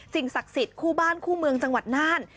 ศักดิ์สิทธิ์คู่บ้านคู่เมืองจังหวัดน่าน